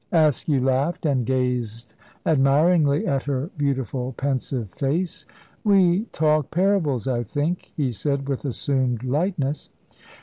Askew laughed, and gazed admiringly at her beautiful, pensive face. "We talk parables, I think," he said, with assumed lightness.